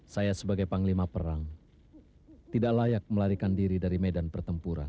saya sebagai panglima perang tidak layak melarikan diri dari medan pertempuran